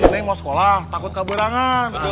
neng mau sekolah takut keberangan